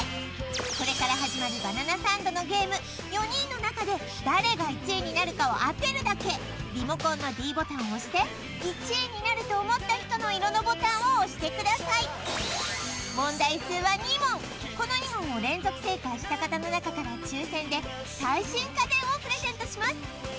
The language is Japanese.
これから始まるバナナサンドのゲーム４人の中で誰が１位になるかを当てるだけリモコンのｄボタンを押して１位になると思った人の色のボタンを押してください問題数は２問この２問を連続正解した方の中から抽選で最新家電をプレゼントします！